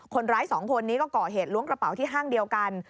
คนร้ายสองคนนี้ก็ก่อเหตุล้วงกระเป๋าที่ห้างเดียวกัน